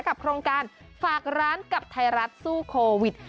โครงการฝากร้านกับไทยรัฐสู้โควิด